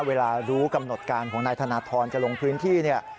เวลารู้กำหนดการของนายธนทรจะลงพื้นที่เนี่ย